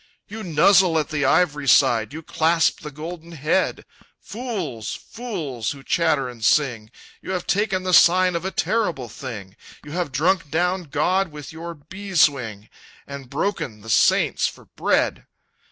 "You nuzzle at the ivory side, You clasp the golden head; Fools, fools, who chatter and sing, You have taken the sign of a terrible thing, You have drunk down God with your beeswing, And broken the saints for bread!